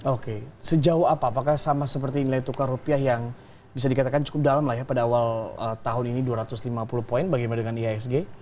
oke sejauh apa apakah sama seperti nilai tukar rupiah yang bisa dikatakan cukup dalam lah ya pada awal tahun ini dua ratus lima puluh poin bagaimana dengan ihsg